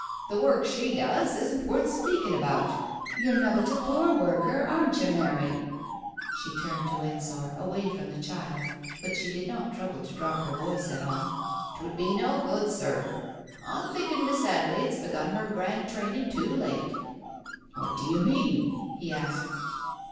" The work she does isn't worth speaking about. You're nobbut a poor worker, aren't you, Mary ?" She turned to Ensor, away from the child, but she did not trouble to drop her voice at all — "'Twould be no good, Sir. I'm thinking Miss Adelaide's begun her grand training too late." "What d'you mean?" he asked.